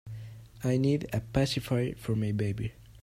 I need a pacifier for my baby.